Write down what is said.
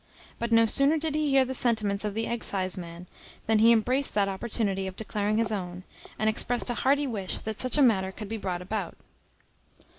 But no sooner did he hear the sentiments of the exciseman than he embraced that opportunity of declaring his own, and expressed a hearty wish that such a matter could be brought about.